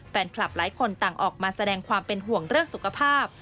แฟนคลับหลายคนต่างออกมาแสดงความเป็นห่วงเรื่องสุขภาพ